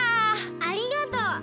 ありがとう！